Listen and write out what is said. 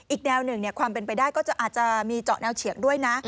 อีกแนวหนึ่งความเป็นไปได้ก็จะอาจจะมีเจาะแนวเฉียงด้วยนะ